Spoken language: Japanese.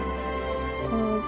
どうぞ。